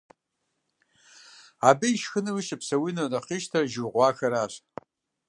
Абы ишхынууи щыпсэунууи нэхъ къищтэр жыг гъуахэращ.